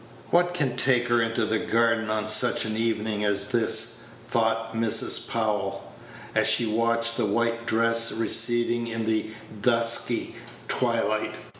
"What can take her into the garden on such an evening as this?" thought Mrs. Powell, as she watched the white dress receding in the dusky twilight.